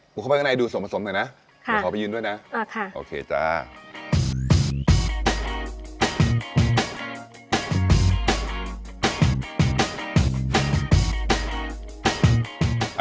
กูเข้าไปข้างในดูส่วนผสมหน่อยนะขอไปยืนด้วยนะโอเคจ้าค่ะค่ะ